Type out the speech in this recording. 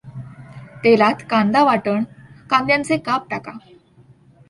तेलात कांदा वाटण कांद्यांचे काप टाका.